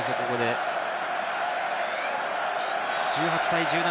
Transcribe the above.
１８対１７。